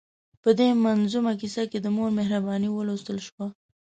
په دې منظومه کیسه کې د مور مهرباني ولوستل شوه.